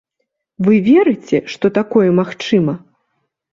Вы верыце, што такое магчыма?